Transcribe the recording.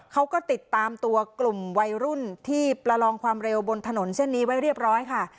เขาก็ติดตามตัวกลุ่มวัยรุ่นที่ประลองความเร็วบนถนนเส้นนี้ไว้เรียบร้อยค่ะ